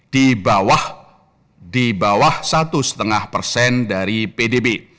di bawah satu lima persen dari pdb